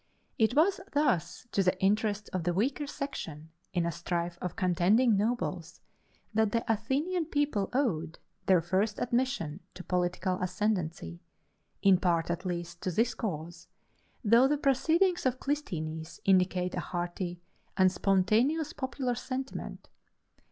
It was, thus, to the interests of the weaker section, in a strife of contending nobles, that the Athenian people owed their first admission to political ascendancy in part, at least, to this cause, though the proceedings of Clisthenes indicate a hearty and spontaneous popular sentiment.